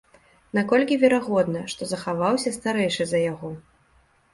Наколькі верагодна, што захаваўся старэйшы за яго?